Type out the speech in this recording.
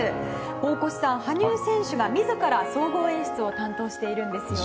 大越さん、羽生選手が自ら総合演出を担当しているんですよ。